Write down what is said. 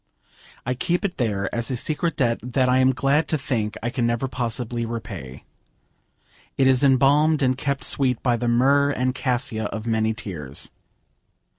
I keep it there as a secret debt that I am glad to think I can never possibly repay. It is embalmed and kept sweet by the myrrh and cassia of many tears.